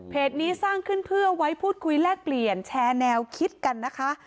นี้สร้างขึ้นเพื่อไว้พูดคุยแลกเปลี่ยนแชร์แนวคิดกันนะคะ